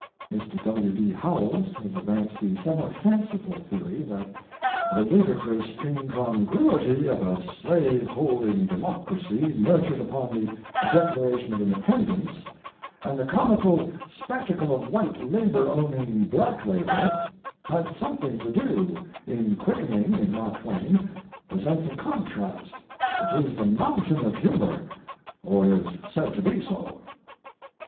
Mr. W. D. Howells has advanced the somewhat fanciful theory that "the ludicrous incongruity of a slave holding democracy nurtured upon the Declaration of Independence, and the comical spectacle of white labour owning black labour, had something to do in quickening (in Mark Twain) the sense of contrast which is the mountain of humour or is said to be so."